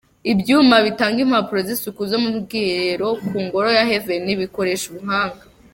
Ibyuma bitanga impapuro z'isuku zo mu bwiherero ku ngoro ya Heaven bikoresha ubuhanga.